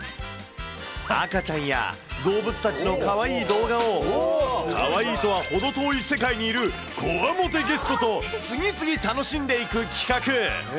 赤ちゃんや動物たちのかわいい動画を、かわいいとは程遠い世界にいるコワモテゲストと、次々楽しんでいく企画。